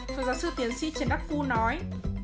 phương giáo sư tiến sĩ trần đắc phu nói